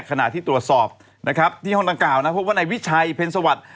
ขณะที่ตรวจสอบนะครับที่ห้องดังกล่าวนะพบว่านายวิชัยเพ็ญสวัสดิ์